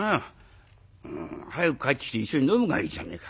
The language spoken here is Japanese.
早く帰ってきて一緒に飲むがいいじゃねえか。